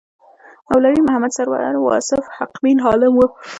مولوي محمد سرور واصف حقبین عالم و.